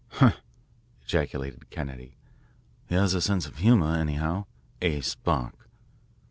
"Humph!" ejaculated Kennedy, "he has a sense of humour, anyhow A. Spark!"